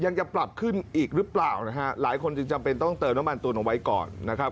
จะปรับขึ้นอีกหรือเปล่านะฮะหลายคนจึงจำเป็นต้องเติมน้ำมันตุนเอาไว้ก่อนนะครับ